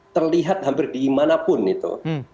terlihat hampir di mana pun itu